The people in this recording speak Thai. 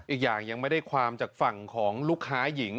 อีกอย่างยังไม่ได้ความจากฝั่งของลูกค้าหญิง